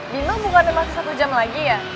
bimbel bukan ada masa satu jam lagi ya